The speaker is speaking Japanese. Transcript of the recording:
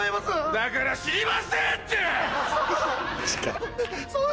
だから知りませんって‼近い。